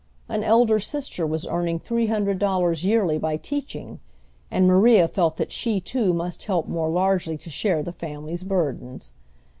An elder sister was earning three hundred dollars yearly by teaching, and Maria felt that she too must help more largely to share the family burdens.